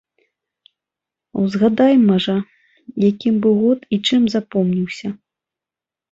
Узгадайма жа, якім быў год і чым запомніўся.